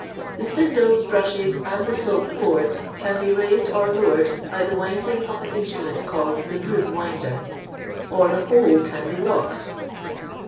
The spindles, brushes, and the sloped boards can be raided or lowered by the winding of an instrument called the broom winder ; or the whole can be locked.